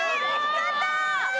やったー！